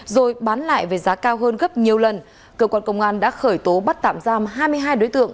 rồi bán lại về giá cao hơn gấp nhiều lần cơ quan công an đã khởi tố bắt tạm giam hai mươi hai đối tượng